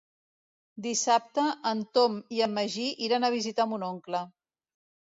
Dissabte en Tom i en Magí iran a visitar mon oncle.